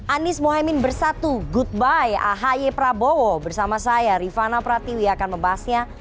anies mohaimin bersatu goodby ahi prabowo bersama saya rifana pratiwi akan membahasnya